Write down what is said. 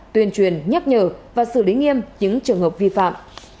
tuyên truyền nhắc nhở và xử lý nghiêm những trường hợp vi phạm